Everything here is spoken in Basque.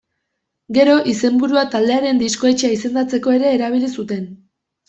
Gero izenburua taldearen diskoetxea izendatzeko ere erabili zuten.